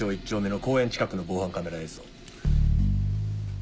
１丁目の公園近くの防犯カメラ映像。